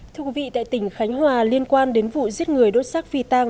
thưa quý vị tại tỉnh khánh hòa liên quan đến vụ giết người đốt xác phi tăng